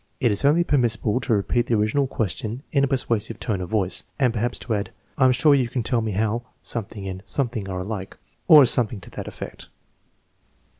It is only permissible to repeat the original question in a per suasive tone of voice, and perhaps to add: "1 9 m sure you can tell me how ... and ... are alike" or something to that effect.